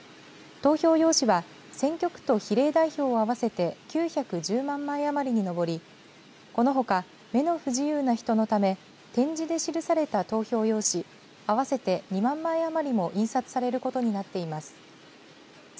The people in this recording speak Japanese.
投票用紙は選挙区と比例代表を合わせて９１０万枚余りに上りこのほか目の不自由な人のため点字で記された投票用紙合わせて２万枚余りも印刷されることになっています。